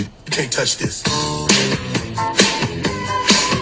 ทำงานสำหรับแท่ชะแห่ง